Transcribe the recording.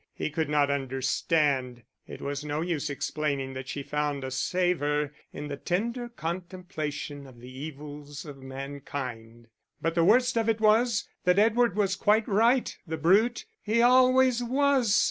He could not understand, it was no use explaining that she found a savour in the tender contemplation of the evils of mankind. But the worst of it was that Edward was quite right the brute, he always was!